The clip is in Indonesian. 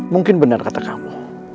mungkin benar kata kamu